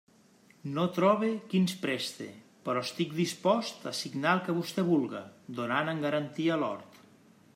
No trobe qui ens preste; però estic dispost a signar el que vostè vulga, donant en garantia l'hort.